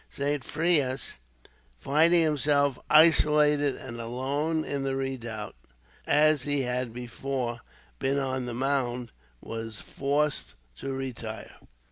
Saint Frais, finding himself isolated and alone in the redoubt, as he had before been on the mound, was forced to retire.